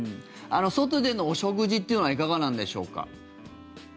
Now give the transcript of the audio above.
外でのお食事というのはいかがなんでしょうか。